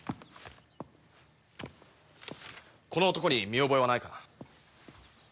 この男に見覚えはないかな？